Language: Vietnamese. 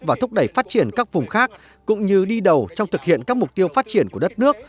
và thúc đẩy phát triển các vùng khác cũng như đi đầu trong thực hiện các mục tiêu phát triển của đất nước